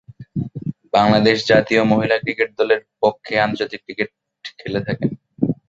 বাংলাদেশ জাতীয় মহিলা ক্রিকেট দলের পক্ষে আন্তর্জাতিক ক্রিকেট খেলে থাকেন।